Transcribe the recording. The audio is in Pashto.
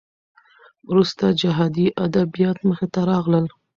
وروسته جهادي ادبیات مخې ته راغلل.